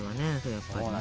やっぱりね。